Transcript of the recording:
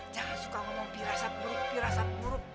jangan suka ngomong pirasat buruk pirasat buruk